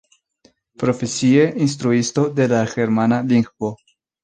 Profesie instruisto de la germana lingvo.